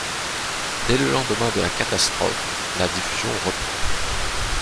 Dès le lendemain de la catastrophe, la diffusion reprend.